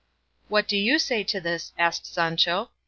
"What say you to this?" asked Sancho.